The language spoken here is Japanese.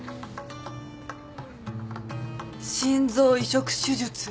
「心臓移植手術」